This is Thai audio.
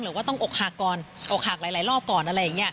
หรือว่าต้องออกหากก่อนออกหากหลายรอบก่อนอะไรอย่างเงี้ย